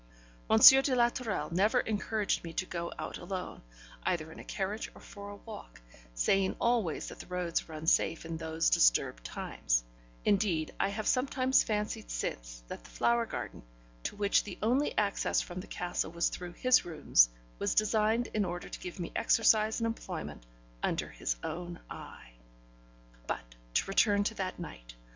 M. de la Tourelle never encouraged me to go out alone, either in a carriage or for a walk, saying always that the roads were unsafe in those disturbed times; indeed, I have sometimes fancied since that the flower garden, to which the only access from the castle was through his rooms, was designed in order to give me exercise and employment under his own eye. But to return to that night.